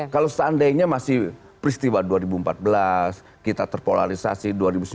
kalau seandainya masih peristiwa dua ribu empat belas kita terpolarisasi dua ribu sembilan belas